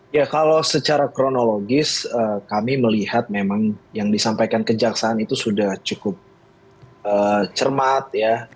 ya kalau secara kronologis kami melihat memang yang disampaikan kejaksaan itu sudah cukup cermat ya